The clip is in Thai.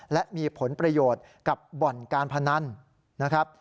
และมีผลประโยชน์กับบ่อนการพนันนะครับ